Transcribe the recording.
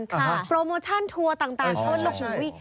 ค่ะโปรโมชั่นทัวร์ต่างใช่